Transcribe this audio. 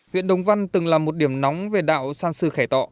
huyện đồng văn từng là một điểm nóng về đạo san sư khẻ tọ